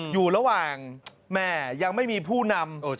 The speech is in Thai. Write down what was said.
อยู่ระหว่างแม่ยังไม่มีผู้นำ